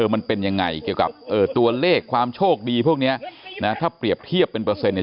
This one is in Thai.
มันเป็นยังไงเกี่ยวกับตัวเลขความโชคดีพวกเนี้ยนะถ้าเปรียบเทียบเป็นเปอร์เซ็นเนี่ย